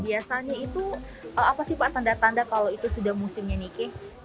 biasanya itu apa sih pak tanda tanda kalau itu sudah musimnya nike